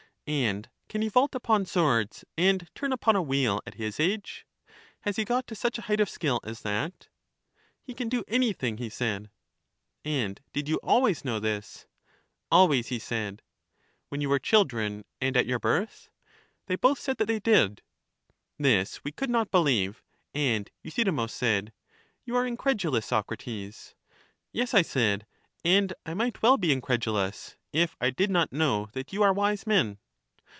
And can he vault upon swords, and turn upon a wheel, at his age? has he got to such a height of skill as that? He can do anything, he said. And did you always know this? Always, he said. When you were children, and at your birth? They both said that they did. This we could not believe. And Euthydemus said : You are incredulous, Socrates. Yes, I said, and I might well be incredulous, if I did not know that you are wise men.